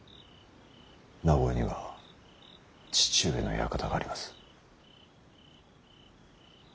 名越には父上の館があります。